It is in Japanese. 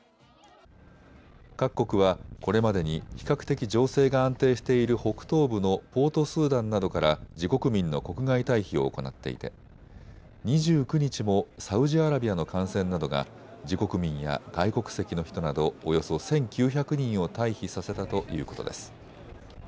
各国はこれまでに比較的情勢が安定している北東部のポートスーダンなどから自国民の国外退避を行っていて２９日もサウジアラビアの艦船などが自国民や外国籍の人などおよそ１９００人を退避させたということです。